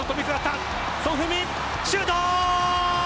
シュート！